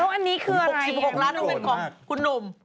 ร้าน๑๖ล้านคุณหนุ่มคุณหนุ่มคุณโดรดมาก